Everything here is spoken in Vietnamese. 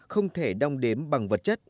không thể đong đếm bằng vật chất